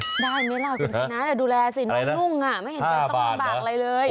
ได้ไหมล่ะคุณชนะดูแลสิน้องนุ่งไม่เห็นใจต้องลำบากอะไรเลย